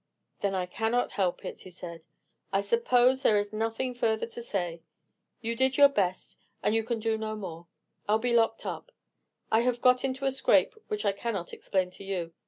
"Then I cannot help it," he said. "I suppose there is nothing further to say. You did your best, and you can do no more. I'll be locked up; I have got into a scrape which I cannot explain to you.